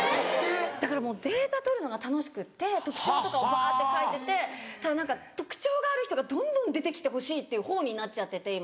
だからもうデータ取るのが楽しくって特徴とかをバって書いててそしたら何か特徴がある人がどんどん出てきてほしいっていう方になっちゃってて今。